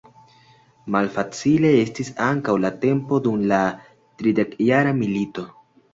Malfacile estis ankaŭ la tempo dum la Tridekjara milito.